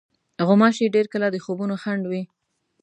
غوماشې ډېر کله د خوبونو خنډ وي.